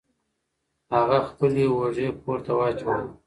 هغه خپلې اوژې پورته واچولې.